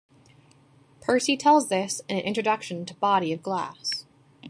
Piercy tells this in an introduction to "Body of Glass".